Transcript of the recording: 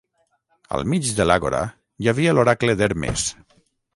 Al mig de l'àgora hi havia l'Oracle d'Hermes.